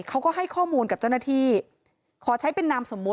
เขาก็ให้ข้อมูลกับเจ้าหน้าที่ขอใช้เป็นนามสมมุติ